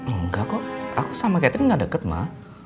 enggak kok aku sama catherine gak deket mah